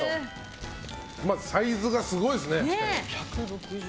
まずサイズがすごいですね。